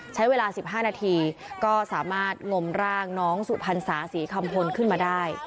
ใช้เวลา๑๕นาทีก็สามารถงมร่างน้องสุพรรษาศรีคำพลขึ้นมาได้